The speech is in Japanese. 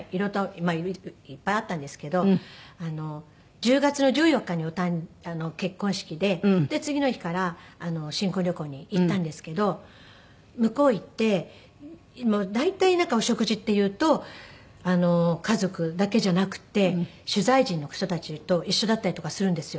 まあいっぱいあったんですけどあの１０月の１４日に結婚式で次の日から新婚旅行に行ったんですけど向こう行ってもう大体なんかお食事っていうと家族だけじゃなくって取材陣の人たちと一緒だったりとかするんですよ。